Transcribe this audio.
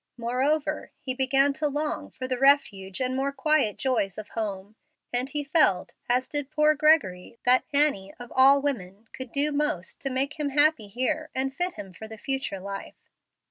Moreover, he began to long for the refuge and more quiet joys of home, and he felt, as did poor Gregory, that Annie of all women could do most to make him happy here and fit him for the future life.